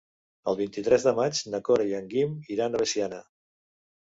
El vint-i-tres de maig na Cora i en Guim iran a Veciana.